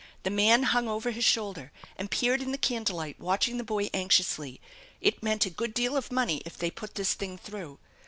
The man hung over shis shoulder and peered in the candlelight, watching the boy anxiously. It meant a good deal of money if they put this thing through.